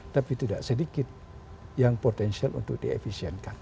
tapi tidak sedikit yang potensial untuk diefisienkan